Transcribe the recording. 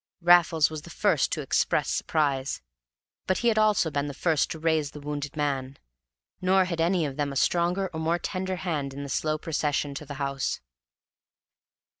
Raffles was the first to express surprise; but he had also been the first to raise the wounded man. Nor had any of them a stronger or more tender hand in the slow procession to the house.